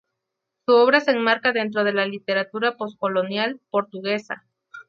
Su obra se enmarca dentro de la literatura poscolonial portuguesa.